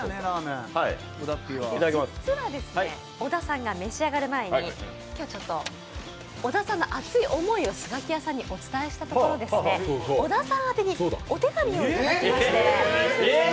実は小田さんが召し上がる前に、今日は小田さんの熱い思いをスガキヤさんにお伝えしたところ小田さん宛にお手紙をいただきまして。